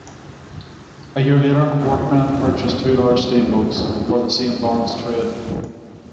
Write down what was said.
A year later, Workman purchased two large steamboats for the Saint Lawrence trade.